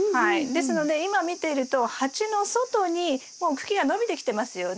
ですので今見てると鉢の外にもう茎が伸びてきてますよね。